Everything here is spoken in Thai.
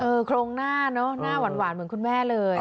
โครงหน้าเนอะหน้าหวานเหมือนคุณแม่เลย